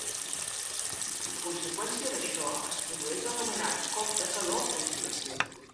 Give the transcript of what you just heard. A conseqüència d'això es produeix l'anomenat cop de calor o insolació.